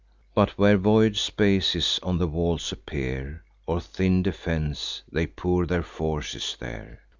But, where void spaces on the walls appear, Or thin defence, they pour their forces there.